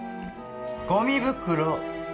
ゴミ袋。